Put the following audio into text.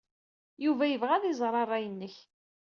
Yuba yebɣa ad iẓer ṛṛay-nnek.